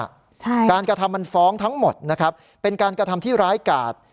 ใช่การกระทำมันฟ้องทั้งหมดนะครับเป็นการกระทำที่ร้ายกาด